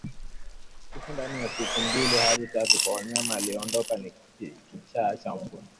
Kifo ndani ya siku mbili hadi tatu kwa mnyama aliyedondoka ni kichaa cha mbwa